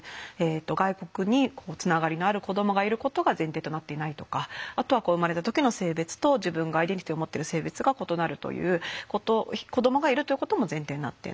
外国につながりのある子どもがいることが前提となっていないとかあとは生まれた時の性別と自分がアイデンティティーを持ってる性別が異なるという子どもがいるということも前提になっていない。